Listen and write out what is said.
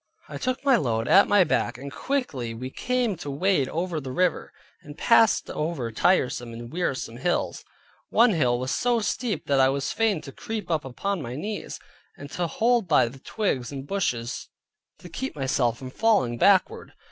I took my load at my back, and quickly we came to wade over the river; and passed over tiresome and wearisome hills. One hill was so steep that I was fain to creep up upon my knees, and to hold by the twigs and bushes to keep myself from falling backward.